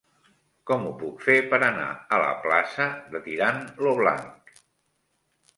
Com ho puc fer per anar a la plaça de Tirant lo Blanc?